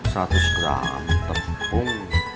satu gram tepung